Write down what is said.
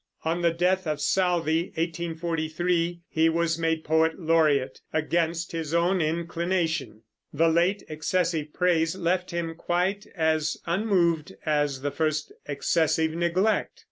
On the death of Southey (1843) he was made poet laureate, against his own inclination. The late excessive praise left him quite as unmoved as the first excessive neglect.